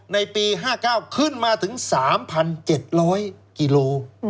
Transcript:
ในปี๕๙ขึ้นมาถึง๓๗๐๐กิโล